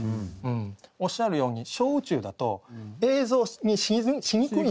おっしゃるように「小宇宙」だと映像にしにくいんですよ。